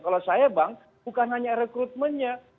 kalau saya bang bukan hanya rekrutmennya